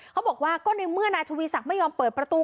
เขาบอกว่าก็ในเมื่อนายทวีศักดิไม่ยอมเปิดประตู